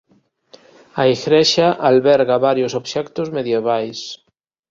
A igrexa alberga varios obxectos medievais.